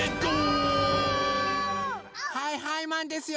はいはいマンですよ！